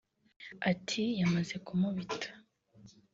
Ati “Yamaze kumubita